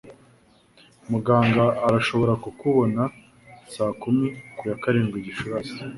Muganga arashobora kukubona saa kumi ku ya karindwi Gicurasi.